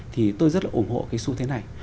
thì tôi rất là ủng hộ cái xu thế này